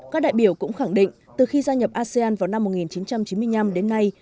các đại biểu cũng khẳng định từ khi gia nhập asean vào năm một nghìn chín trăm chín mươi năm đến nay